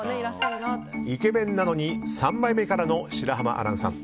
イケメンなのに三枚目からの白濱亜嵐さん。